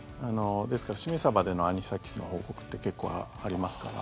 ですから、締めサバでのアニサキスの報告って結構ありますから。